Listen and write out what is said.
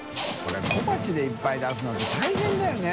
海貍いっぱい出すのって大変だよね。